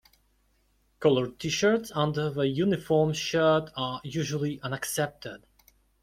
Colored t-shirts under the uniform shirt are usually unaccepted.